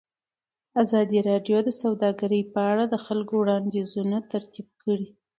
ازادي راډیو د سوداګري په اړه د خلکو وړاندیزونه ترتیب کړي.